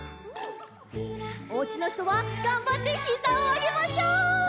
おうちのひとはがんばってひざをあげましょう！